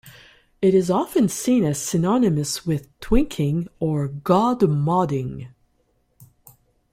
It is often seen as synonymous with twinking or "godmoding".